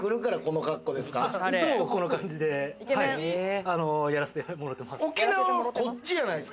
いつもこの感じでやらせてもらってます。